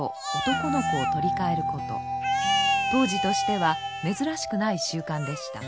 当時としては珍しくない習慣でした。